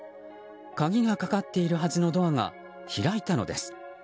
鍵がかかっているはずのドアが開いたのです。